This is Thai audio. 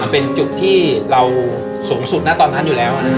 เป็นจุดที่เราสูงสุดนะตอนนั้นอยู่แล้ว